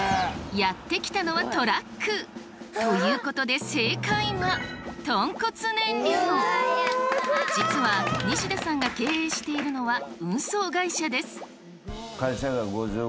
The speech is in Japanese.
やって来たのはトラック！ということで正解は実は西田さんが経営しているのは運送会社です。